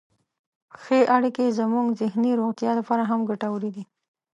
ښې اړیکې زموږ ذهني روغتیا لپاره هم ګټورې دي.